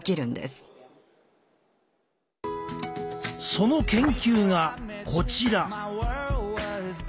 その研究がこちら。